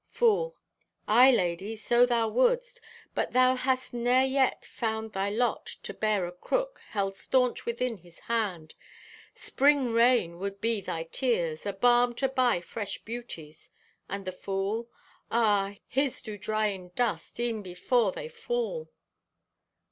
(Fool) "Aye, lady, so thou wouldst. But thou hast ne'er yet found thy lot to bear a crook held staunch within His hand! Spring rain would be thy tears—a balm to buy fresh beauties. And the fool? Ah, his do dry in dust, e'en before they fall!"